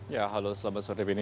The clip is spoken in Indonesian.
ya halo selamat sore benn